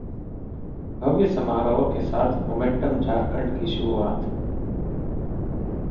भव्य समारोह के साथ 'मोमेंटम झारखंड' की शुरुआत